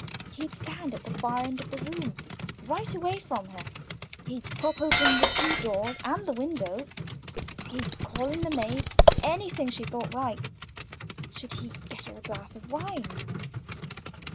He'd stand at the far end of the room, right away from her; he'd prop open the two doors and the windows; he'd call in the maid anything she thought right. Should he get her a glass of wine?"